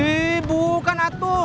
ih bukan atuh